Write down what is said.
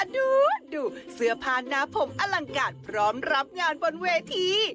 ดูเสื้อผ้าหน้าผมอลังการพร้อมรับงานบนเวที